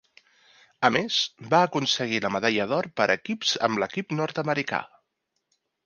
A més, va aconseguir la medalla d'or per equips amb l'equip nord-americà.